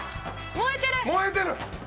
燃えてる！